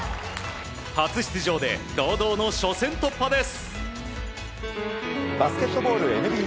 初出場で堂々の初戦突破です。